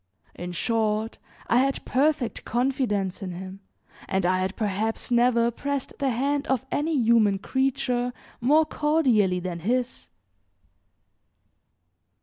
In short, I had perfect confidence in him and I had perhaps never pressed the hand of any human creature more cordially than his.